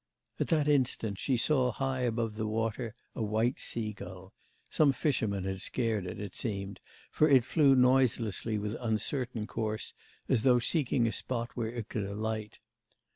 At that instant she saw high above the water a white sea gull; some fisherman had scared it, it seemed, for it flew noiselessly with uncertain course, as though seeking a spot where it could alight.